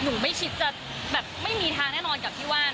หนูไม่คิดจะไม่มีทางแน่นอนกับพี่ว่าน